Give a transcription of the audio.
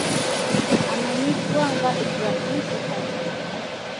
Amanyiddwa nga Ibrahim Ssekaggya.